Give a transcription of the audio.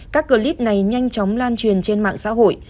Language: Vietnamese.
các clip này nhanh chóng lan truyền trên mạng xã hội